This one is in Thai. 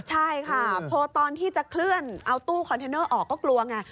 ใช่ค่ะพอตอนที่จะเคลื่อนเอาตู้คอนเทนเนอร์ออกก็กลัวไง